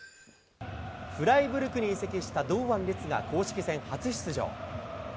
フライブルクに移籍した堂安律が公式戦初出場。